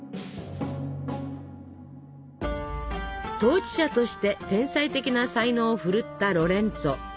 統治者として天才的な才能をふるったロレンツォ。